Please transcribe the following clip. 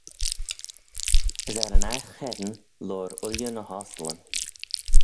As er yn aght cheddin loayr ooilley ny h-ostyllyn.